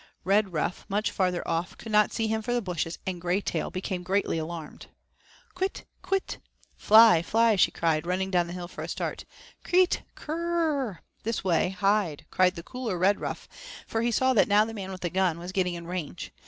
Redruff, much farther off, could not see him for the bushes, and Graytail became greatly alarmed. 'Kwit, kwit' (Fly, fly), she cried, running down the hill for a start. 'Kreet, k r r r' (This way, hide), cried the cooler Redruff, for he saw that now the man with the gun was getting in range.